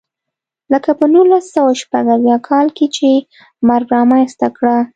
لکه په نولس سوه شپږ اویا کال کې چې مرګ رامنځته کړه.